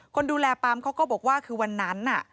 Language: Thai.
คนดูแลปั๊มเขาก็บอกว่าคือวันนั้น